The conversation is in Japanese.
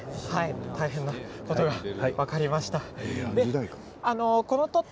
大変なことが分かりました。